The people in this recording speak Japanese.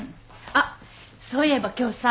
あっそういえば今日さ。